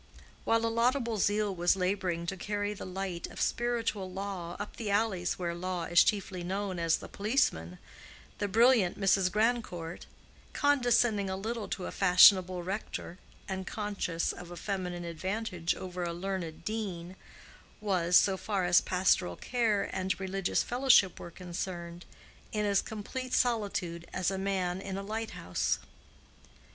While a laudable zeal was laboring to carry the light of spiritual law up the alleys where law is chiefly known as the policeman, the brilliant Mrs. Grandcourt, condescending a little to a fashionable rector and conscious of a feminine advantage over a learned dean, was, so far as pastoral care and religious fellowship were concerned, in as complete a solitude as a man in a lighthouse.